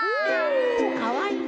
かわいい。